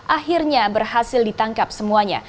akhirnya berhasil ditangkap semuanya